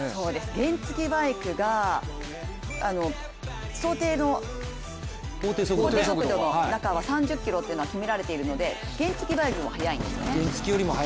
原付バイクが法定速度の中では３０キロと決められているので、原付きバイクよりも速いんですね。